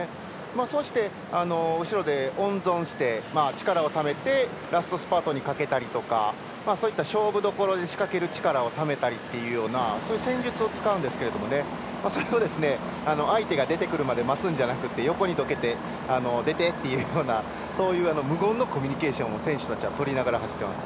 そして、後ろで温存して力をためてラストスパートにかけたりとかそういった勝負どころで仕掛ける力をためたりっていうようなそういう戦術を使うんですけどそれを相手が出てくるまで待つんじゃなくて横にどけて出てっていうようなそういう無言のコミュニケーションを選手たちはとりながら走っています。